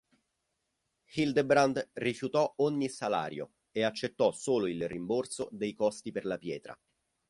Hildebrand rifiutò ogni salario e accettò solo il rimborso dei costi per la pietra.